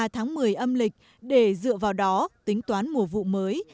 nếu người dân cứ vào mốc hai mươi ba tháng một mươi âm lịch để dựa vào đó tính toán mùa vụ mới